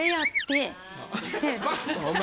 お前。